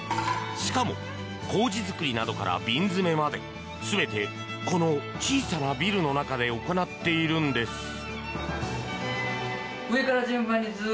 しかも麹造りなどから瓶詰めまで全て、この小さなビルの中で行っているんです。